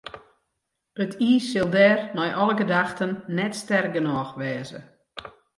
It iis sil dêr nei alle gedachten net sterk genôch wêze.